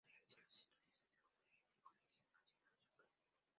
Realizó los estudios de secundaria en el Colegio Nacional Sucre.